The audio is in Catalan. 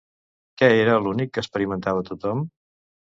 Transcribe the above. Què era l'únic que experimentava tothom?